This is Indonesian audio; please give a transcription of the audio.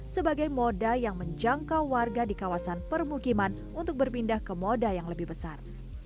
sebagai moda yang menjangkau warga di kawasan permukiman untuk berpindah ke moda yang lebih besar